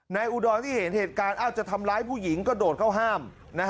อุดรที่เห็นเหตุการณ์จะทำร้ายผู้หญิงกระโดดเข้าห้าม